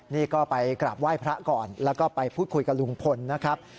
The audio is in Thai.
นี่ก็ไปกราบไหว้พระก่อนแล้วก็ไปพูดคุยกับลุงพลนะครับ